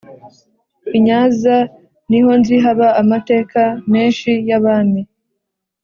inyaza niho nzi haba amateka meshi yabami